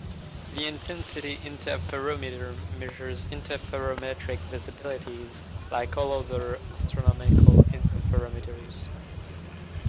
The intensity interferometer measures interferometric visibilities like all other astronomical interferometers.